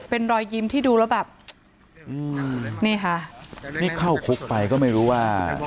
เป็นรอยยิ้มที่ดูแล้วแบบอืมนี่ค่ะนี่เข้าคุกไปก็ไม่รู้ว่า